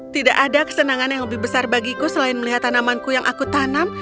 tidak ada kesenangan yang lebih besar bagiku selain melihat tanamanku yang aku tanam